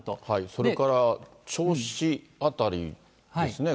それから銚子辺りですね。